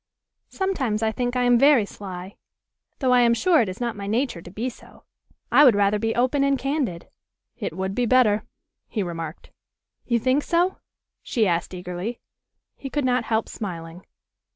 "Sometimes I think I am very sly, though I am sure it is not my nature to be so. I would rather be open and candid." "It would be better," he remarked. "You think so?" she asked eagerly. He could not help smiling.